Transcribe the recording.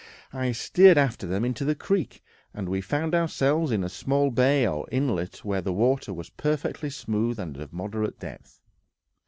I steered after them into the creek, and we found ourselves in a small bay or inlet where the water was perfectly smooth and of moderate depth.